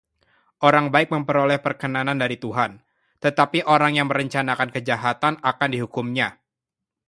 Orang baik memperoleh perkenanan dari Tuhan, tetapi orang yang merencanakan kejahatan akan dihukum-Nya.